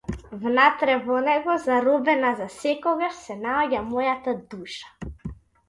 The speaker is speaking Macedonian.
Внатре во него, заробена засекогаш, се наоѓа мојата душа.